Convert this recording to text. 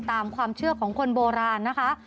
ตามความเชื่อของคนโบราณนะคะ